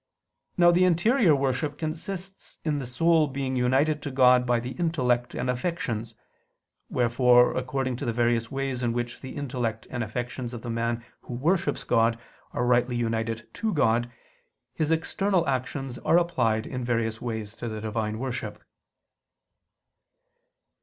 Now interior worship consists in the soul being united to God by the intellect and affections. Wherefore according to the various ways in which the intellect and affections of the man who worships God are rightly united to God, his external actions are applied in various ways to the Divine worship.